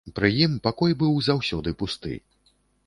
Пры ім пакой быў заўсёды пусты.